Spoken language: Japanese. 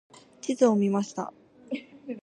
地図を見ました。